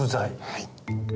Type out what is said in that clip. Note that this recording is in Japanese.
はい。